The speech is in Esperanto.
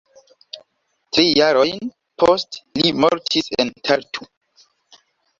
Tri jarojn poste li mortis en Tartu.